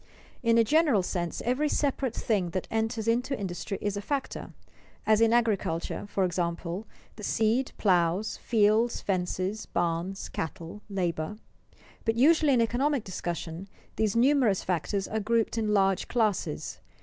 _ In a general sense every separate thing that enters into industry is a factor; as, in agriculture, for example, the seed, plows, fields, fences, barns, cattle, labor. But usually in economic discussion, these numerous factors are grouped in large classes.